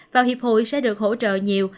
vào hiệp hội sẽ được hỗ trợ nhiều